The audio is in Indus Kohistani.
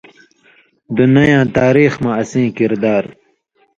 دُنئ یاں تاریخ مہ اسیں کردار،